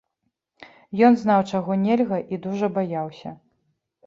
Ён знаў, чаго нельга, і дужа баяўся.